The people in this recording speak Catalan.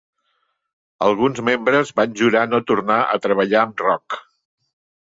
Alguns membres van jurar no tornar a treballar amb Rock.